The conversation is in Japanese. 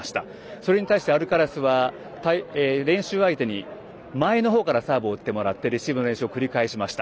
それに対してアルカラスは練習相手に前の方からサーブを打ってもらってレシーブ練習を繰り返しました。